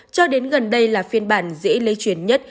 cho đến gần đây là phiên bản dễ lây truyền nhất